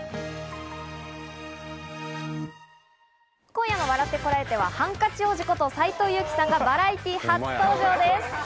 今夜の『笑ってコラえて！』はハンカチ王子こと斎藤佑樹さんがバラエティー初登場です。